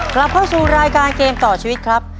กลับเข้าสู่รายการเกมต่อชีวิตครับ